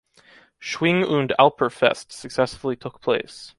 "Schwing- und Älplerfest" successfully took place.